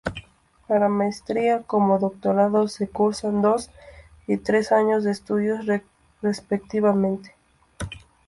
Para Maestría como Doctorado se cursan dos y tres años de estudios, respectivamente.